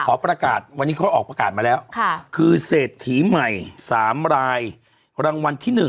ขอประกาศวันนี้เขาออกประกาศมาแล้วคือเศรษฐีใหม่๓รายรางวัลที่๑